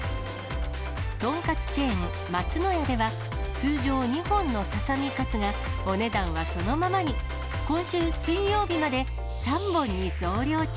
とんかつチェーン、松のやでは、通常２本のささみかつがお値段はそのままに、今週水曜日まで３本に増量中。